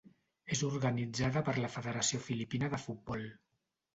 És organitzada per la Federació Filipina de Futbol.